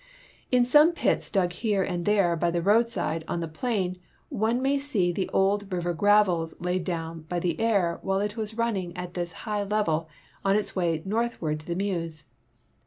In some pits dug here and there by the road side on the plain one may see the old river gravels laid down by the Aire while it was running at this high level on its way north ward to the INIeuse.